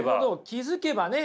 気付けばね。